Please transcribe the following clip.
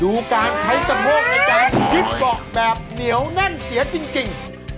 ดูการใช้สะโพกในการชิดเบาะแบบเหนียวแน่นเสียจริง